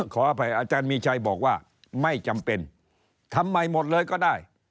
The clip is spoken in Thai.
ขออภัยอาจารย์มีชัยบอกว่าไม่จำเป็นทำไมหมดเลยก็ได้